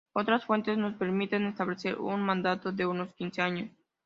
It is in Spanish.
Otras fuentes nos permiten establecer un mandato de unos quince años.